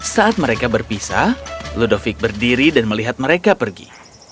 saat mereka berpisah ludovic berdiri dan melihat mereka pergi